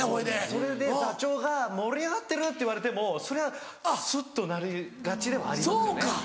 それで座長が「盛り上がってる⁉」って言われてもそれはスッとなりがちではありますよね。